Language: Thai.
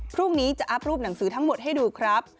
พรุ่งนี้จะอัพรูปหนังสือทั้งหมดให้ดูครับ